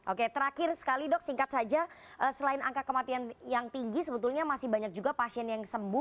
oke terakhir sekali dok singkat saja selain angka kematian yang tinggi sebetulnya masih banyak juga pasien yang sembuh